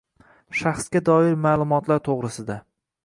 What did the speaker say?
Shaxsga doir ma'lumotlar to'g'risida